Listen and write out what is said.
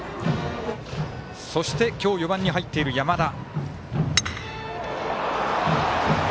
そして今日４番に入っている山田。